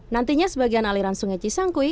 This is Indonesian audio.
nantinya sebagian aliran sungai cisangkui